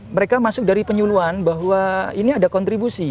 mereka masuk dari penyuluan bahwa ini ada kontribusi